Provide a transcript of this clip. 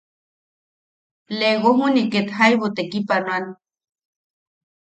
Lego juniʼi ket jaibu tekipanoan;.